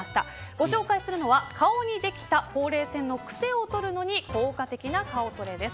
ご紹介するのは、顔にできたほうれい線のくせを取るのに効果的な顔トレです。